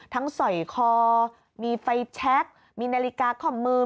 สอยคอมีไฟแชคมีนาฬิกาข้อมือ